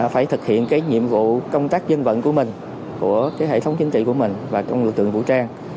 phải thực hiện cái nhiệm vụ công tác dân vận của mình của cái hệ thống chính trị của mình và trong lực lượng vũ trang